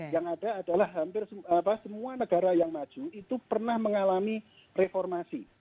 yang ada adalah hampir semua negara yang maju itu pernah mengalami reformasi